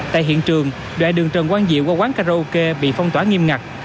tại hiện trường đoạn đường trần quang diệu qua quán karaoke bị phong tỏa nghiêm ngặt